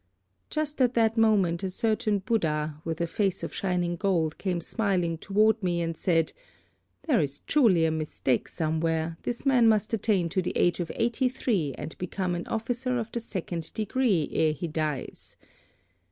Just at that moment a certain Buddha, with a face of shining gold, came smiling toward me, and said, 'There is truly a mistake somewhere; this man must attain to the age of eighty three and become an officer of the Second Degree ere he dies.'